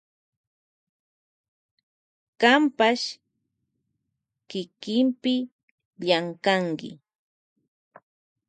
Kanpash llankanki kikipi.